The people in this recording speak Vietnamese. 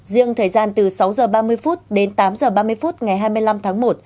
riêng thời gian từ sáu h ba mươi đến tám h ba mươi phút ngày hai mươi năm tháng một